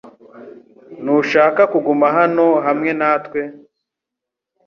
Ntushaka kuguma hano hamwe natwe